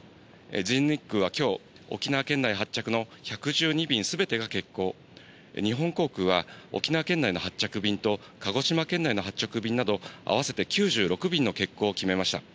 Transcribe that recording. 全日空はきょう、沖縄県内発着の１１２便すべてが欠航、日本航空は沖縄県内の発着便と鹿児島県内の発着便など、合わせて９６便の欠航を決めました。